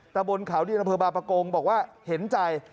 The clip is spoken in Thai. แต่บนขาวนี่นภพบาปกงษ์บอกว่าเห็นใจ